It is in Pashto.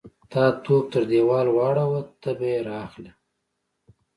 _تا توپ تر دېوال واړاوه، ته به يې را اخلې.